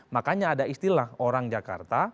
makanya ada istilah orang jakarta